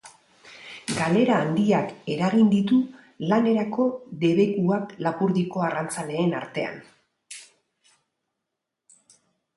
Xede hori zuela adierazi zuen agintari autonomiko batek.